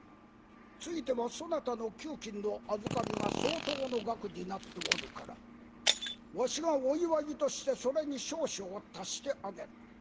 ついてはそなたの給金の預かりが相当の額になっておるからわしがお祝いとしてそれに少々足してあげる。